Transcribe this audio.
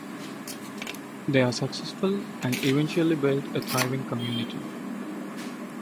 They are successful and eventually build a thriving community.